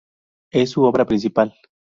Es su obra principal.